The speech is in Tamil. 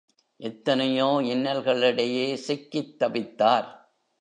எத்தனையோ இன்னல்களிடையே சிக்கித் தவித்தார்.